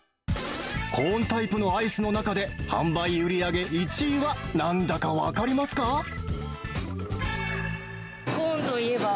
コーンタイプのアイスの中で、販売売り上げ１位は、なんだか分コーンといえば。